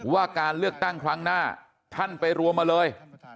ว่าการเลือกตั้งครั้งหน้าท่านไปรวมมาเลย